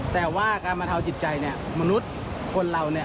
แต่ว่าการบรรเทาจิตใจเนี่ยมนุษย์คนเราเนี่ย